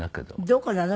どこなの？